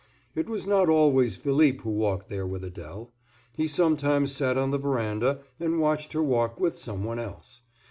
It was not always Philippe who walked there with Adèle; he sometimes sat on the veranda and watched her walk with some one else.